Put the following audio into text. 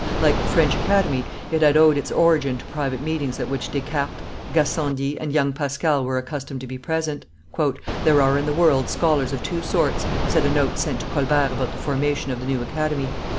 Like the French Academy, it had owed its origin to private meetings at which Descartes, Gassendi, and young Pascal were accustomed to be present. "There are in the world scholars of two sorts," said a note sent to Colbert about the formation of the new Academy.